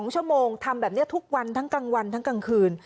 ๒ชั่วโมงทำแบบนี้ทุกวันทั้งกลางวันทั้งกลางคืน